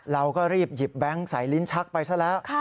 เราก็รีบหยิบแบงค์ใส่ลิ้นชักไปซะแล้ว